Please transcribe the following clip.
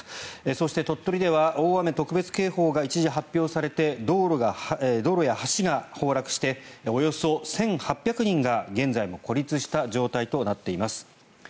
そして、鳥取では大雨特別警報が一時発表されて道路や橋が崩落しておよそ１８００人が現在も孤立した状態となっています。